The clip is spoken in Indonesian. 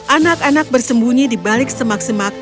anak anak bersembunyi di balik semak semak